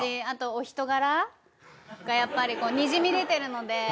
あとお人柄がやっぱりにじみ出てるので。